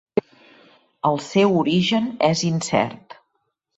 El seu origen és incert.